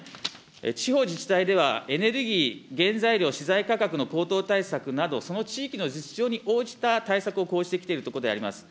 地方自治体では、エネルギー、原材料、資材価格の高騰対策など、その地域の実情に応じた対策を講じてきているところであります。